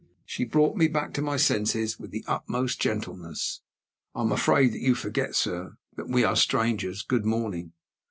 She brought me back to my senses with the utmost gentleness. "I am afraid you forget, sir, that we are strangers. Good morning."